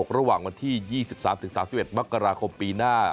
ระหว่างวันที่๒๓๓๑มกราคมปีหน้า